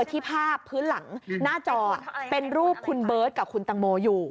ที่ภาพพื้นหลังหน้าจอเป็นรูปคุณเบิร์ตกับคุณตังโมอยู่